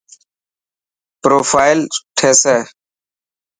پروفائل ٺيسي.